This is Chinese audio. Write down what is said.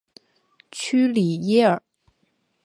屈里耶尔。